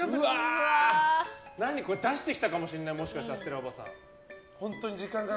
出してきたかもしれないもしかしたら、ステラおばさん。